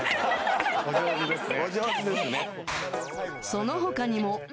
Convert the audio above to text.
その他にも。